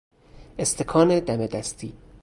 استکان دم دستی